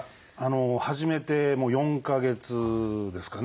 始めてもう４か月ですかね。